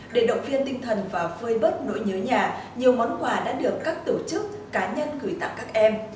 để động viên tinh thần và phơi bớt nỗi nhớ nhà nhiều món quà đã được các tổ chức cá nhân gửi tặng các em